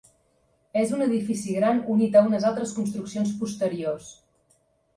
És un edifici gran unit a unes altres construccions posteriors.